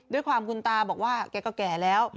ด้วยความคุณตาบอกว่าแกก็แก่แล้ว